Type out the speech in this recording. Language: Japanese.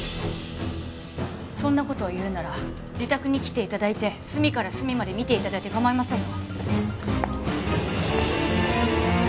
そんなことを言うなら自宅に来ていただいて隅から隅まで見ていただいてかまいませんよ